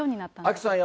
アキさん